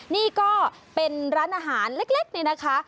นี่ก็เป็นร้านอาหารเล็กนี่นะคะ